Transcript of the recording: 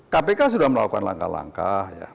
kpk sudah melakukan langkah langkah